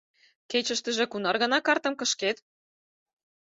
— Кечыштыже кунар гана картым кышкет?